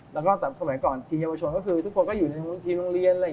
แล้วก็สมัยก่อนทีมเยาวจนก็คือทุกคนก็อยู่ในทีมโรงเรียน